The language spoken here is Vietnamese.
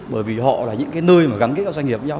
bởi vì họ là những cái nơi gắn các doanh nghiệp với nhau